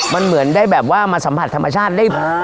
มันเหมือนได้แบบว่ามาสัมผัสธรรมชาติได้